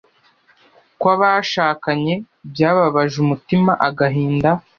kwabashakanye byababaje umutima agahinda